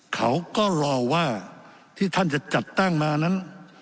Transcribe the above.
เขาก็รอว่าที่ท่านจะจัดตั้งมานั้น